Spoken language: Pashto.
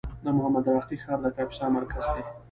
د محمود راقي ښار د کاپیسا مرکز دی